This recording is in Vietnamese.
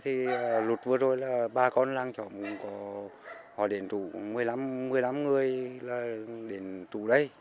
thì lụt vừa rồi là ba con làng chồng họ để trụ một mươi năm người là để trụ đây